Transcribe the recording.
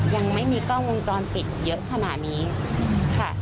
ยังไม่มีกล้องวงจรปิดเยอะขนาดนี้ค่ะ